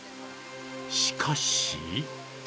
しかし。